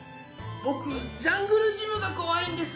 僕ジャングルジムが怖いんです。